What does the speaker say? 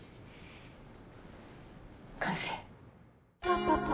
完成！